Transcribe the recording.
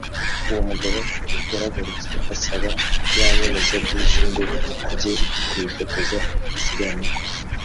uwo mugabo yaragarutse asaba ya nyemezabwishyu ngo ajye kuyifotoza asigarane kopi